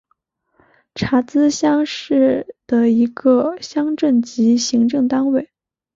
查孜乡是的一个乡镇级行政单位。